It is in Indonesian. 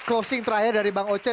closing terakhir dari bang oce